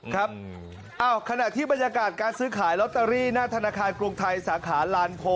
ครับขณะที่บรรยากาศการซื้อขายลอตเตอรี่หน้าธนาคารกรุงไทยสาขาลานโพ